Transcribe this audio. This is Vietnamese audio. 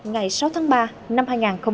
ngày sáu tháng ba năm hai nghìn một mươi sáu